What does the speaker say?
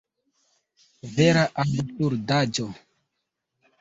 Vera absurdaĵo!